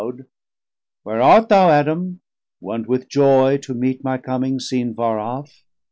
FULL SIZE Medium Size Where art thou Adam, wont with joy to meet My coming seen far off?